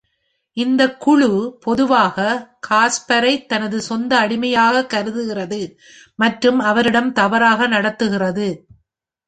இந்த குழு பொதுவாக காஸ்பரை தனது சொந்த அடிமையாக கருதுகிறது மற்றும் அவரிடம் தவறாக நடத்துகிறது.